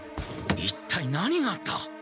一体何があった！？